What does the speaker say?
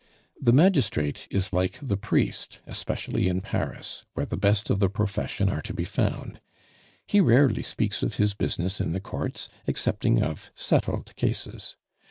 The magistrate is like the priest, especially in Paris, where the best of the profession are to be found; he rarely speaks of his business in the Courts, excepting of settled cases.